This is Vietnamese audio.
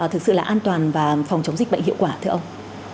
thực sự là an toàn và phòng chống dịch bệnh hiệu quả thưa ông